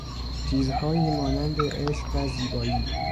چیزهایی مانند عشق و زیبایی